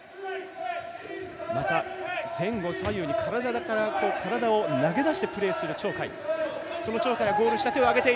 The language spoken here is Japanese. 前後左右に体を投げ出してプレーする鳥海。